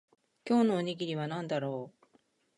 今日のおにぎりは何だろう